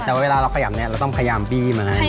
แต่เวลาเราขยำเนี่ยเราต้องพยายามบี้มาให้